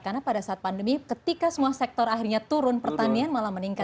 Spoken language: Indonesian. karena pada saat pandemi ketika semua sektor akhirnya turun pertanian malah meningkat